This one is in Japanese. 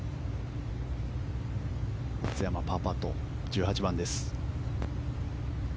松山、パーパット１８番です。